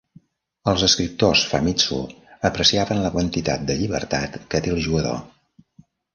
Els escriptors "Famitsu" apreciaven la quantitat de llibertat que té el jugador.